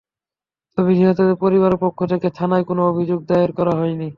তবে নিহতের পরিবারের পক্ষ থেকে থানায় কোনো অভিযোগ দায়ের করা হয়নি।